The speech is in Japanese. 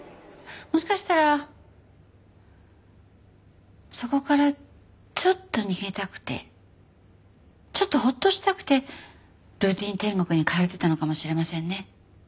もしかしたらそこからちょっと逃げたくてちょっとホッとしたくてルーティン天国に通っていたのかもしれませんね。